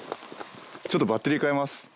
ちょっとバッテリーかえます。